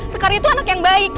sekarang itu anak yang baik